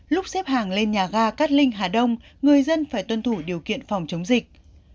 lúc xếp hàng lên nhà ga cát linh hà đông người dân phải tuân thủ điều kiện phòng chống dịch